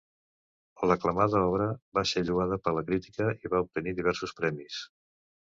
L'aclamada obra va ser lloada per la crítica i va obtenir diversos premis.